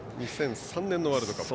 ２００３年のワールドカップ。